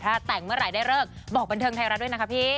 ถ้าแต่งเมื่อไหร่ได้เลิกบอกบันเทิงไทยรัฐด้วยนะคะพี่